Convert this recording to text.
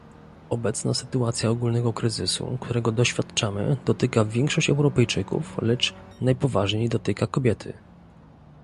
Obecna sytuacja ogólnego kryzysu, którego doświadczamy, dotyka większość Europejczyków, lecz najpoważniej dotyka kobiety